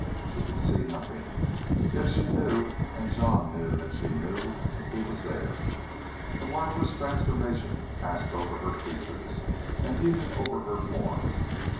She could see nothing, yet she knew and Jean knew that she knew he was there. A marvelous transformation passed over her features and even over her form.